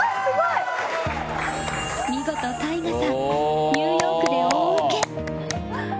見事、ＴＡＩＧＡさんニューヨークで大ウケ！